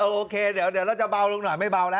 โอเคเดี๋ยวเราจะเบาลงหน่อยไม่เบาแล้ว